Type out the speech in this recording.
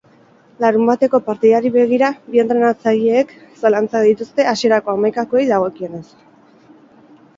Larunbateko partidari begira, bi entrenatzaileek zalantzak dituzte hasierako hamaikakoei dagokienez.